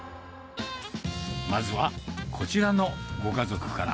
まずはこちらのご家族から。